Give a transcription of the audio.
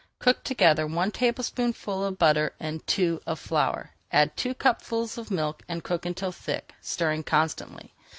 Cook together one tablespoonful of butter and two of flour, add two cupfuls of milk, and cook until thick, stirring constantly.